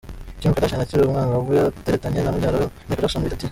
kim Kardashian akiri umwangavu yateretanye na mubyara wa Michael jackson bita T.